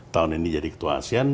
tahun ini jadi ketua asean